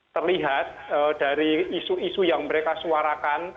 terlihat dari isu isu yang mereka suarakan